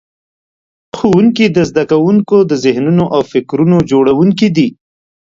ښوونکي د زده کوونکو د ذهنونو او فکرونو جوړونکي دي.